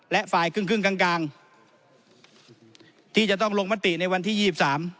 และฝ่ายครึ่งกลางที่จะต้องลงมัติในวันที่๒๓